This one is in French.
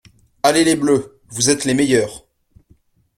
Allez les bleus! Vous êtes les meilleurs !